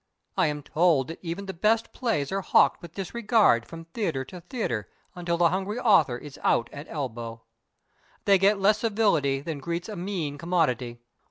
I am told that even the best plays are hawked with disregard from theatre to theatre, until the hungry author is out at elbow. They get less civility than greets a mean commodity.